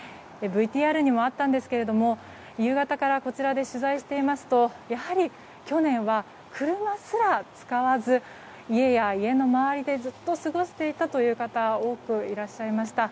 ＶＴＲにもあったんですけれども夕方から、こちらで取材していますとやはり去年は車すら使わず家や家の周りでずっと過ごしていたという方が多くいらっしゃいました。